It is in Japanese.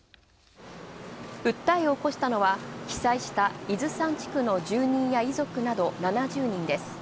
訴えを起こしたのは被災した伊豆山地区の住人や遺族など７０人です。